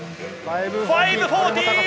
５４０！